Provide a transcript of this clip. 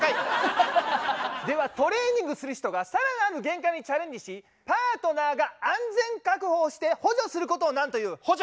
トレーニングする人が更なる限界にチャレンジしパートナーが安全確保をして補助することを何という？補助。